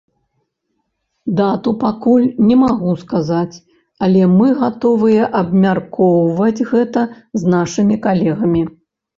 Дату пакуль не магу сказаць, але мы гатовыя абмяркоўваць гэта з нашымі калегамі.